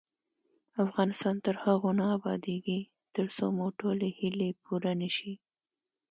افغانستان تر هغو نه ابادیږي، ترڅو مو ټولې هیلې پوره نشي.